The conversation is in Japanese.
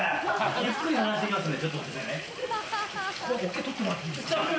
ゆっくりならしていきますので。